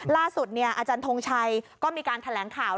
ล่าสุดอาจารย์ทงชัยก็มีการแถลงข่าว